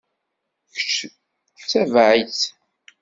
Kečč ttabaɛ-itt.